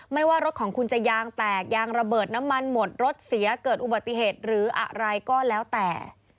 ไม่ว่ารถของคุณจะยางแตกยางระเบิดน้ำมันหมดรถเสียเกิดอุบัติเหตุหรืออะไรก็แล้วแต่